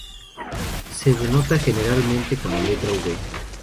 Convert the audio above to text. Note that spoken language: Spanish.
Se denota generalmente con la letra "V".